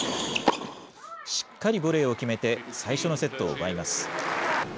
しっかりボレーを決めて、最初のセットを奪います。